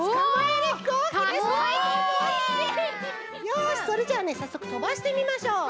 よしそれじゃあねさっそくとばしてみましょう。